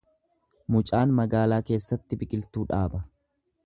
Mucaan magaalaa keessatti biqiltuu dhaaba.